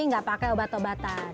nggak pake obat obatan